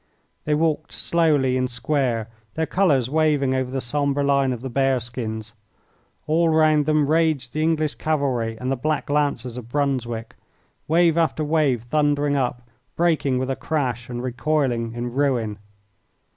They walked slowly in square, their colours waving over the sombre line of the bearskins. All round them raged the English cavalry and the black Lancers of Brunswick, wave after wave thundering up, breaking with a crash, and recoiling in ruin.